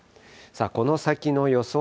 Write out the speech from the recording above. この先の予想